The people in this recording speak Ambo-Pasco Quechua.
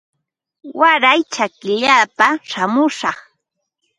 Waray chakillapa shamushaq